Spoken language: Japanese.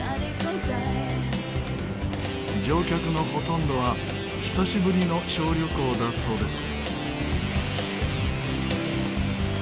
乗客のほとんどは久しぶりの小旅行だそうです。